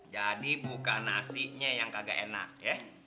jadi buka nasinya yang kagak enak ya